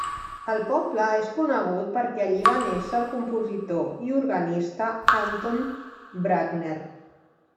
El poble és conegut perquè allí va néixer el compositor i organista Anton Bruckner.